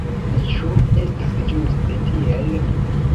Ĉu estas ĝuste tiel?